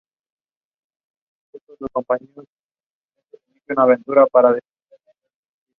En No Surrender, Williams derrotó a Sabu y Styles a Tommy Dreamer.